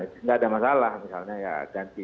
tidak ada masalah misalnya ya ganti